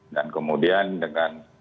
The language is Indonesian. dan kemudian dengan